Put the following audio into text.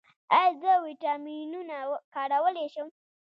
ایا زه ویټامینونه کارولی شم؟